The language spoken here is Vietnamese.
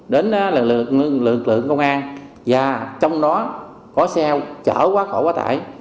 đến lực lượng công an và trong đó có xe chở quá khổ quá tải